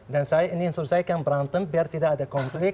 dan saya ini selesaikan berantem biar tidak ada konflik